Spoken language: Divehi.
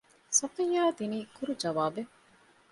ޞަފިއްޔާ ދިނީ ކުރު ޖަވާބެއް